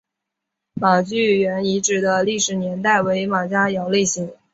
马聚垣遗址的历史年代为马家窑类型。